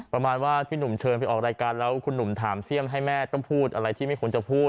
ประมาณว่าพี่หนุ่มเชิญไปออกรายการแล้วคุณหนุ่มถามเสี่ยมให้แม่ต้องพูดอะไรที่ไม่ควรจะพูด